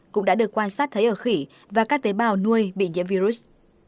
cũng đã được quan sát thấy ở khỉ và các tế bào nuôi bị nhiễm virus